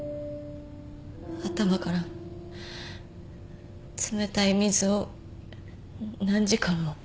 頭から冷たい水を何時間も。